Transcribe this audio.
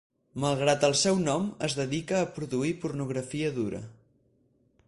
Malgrat el seu nom, es dedica a produir pornografia dura.